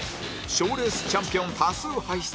賞レースチャンピオン多数輩出